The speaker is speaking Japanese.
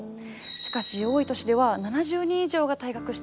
しかし多い年では７０人以上が退学してしまいます。